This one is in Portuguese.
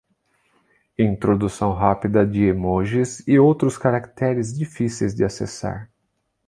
Introdução rápida de emojis e outros caracteres difíceis de acessar.